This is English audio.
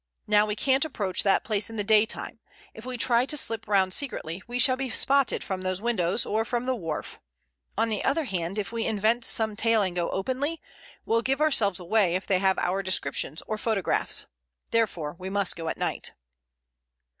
Now we can't approach that place in the daytime; if we try to slip round secretly we shall be spotted from those windows or from the wharf; on the other hand, if we invent some tale and go openly, we give ourselves away if they have our descriptions or photographs. Therefore we must go at night."